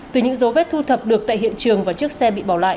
từ những dấu vết thu thập được tại hiện trường và chiếc xe bị bỏ lại